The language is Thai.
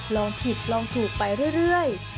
ลองผิดลองถูกไปเรื่อย